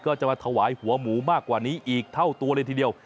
ก็จะมาถวายหัวหมูมากกว่านี้อีกเท่าตัวเลยทีเดียว